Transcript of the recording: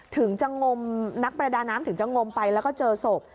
ถึงจะงมนักประดาน้ำถึงจะงมไปแล้วก็เจอศพ